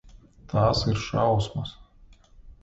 Tās ir šausmas.